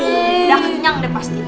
udah kenyang deh pasti